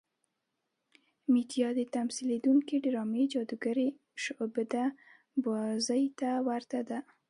میډیا د تمثیلېدونکې ډرامې جادوګرې شعبده بازۍ ته ورته ده.